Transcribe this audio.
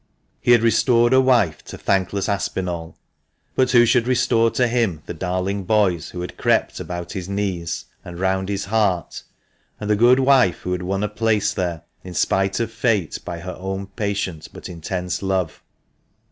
He had restored a wife to thankless Aspinall ; but who should restore to him the darling boys who had crept about his knees and round his heart, and the good wife who had won a place there, in spite of fate, by her own patient, but intense, love?